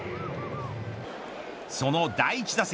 その第１打席。